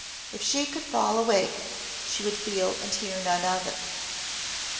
If she could fall awake she would feel and hear none of it.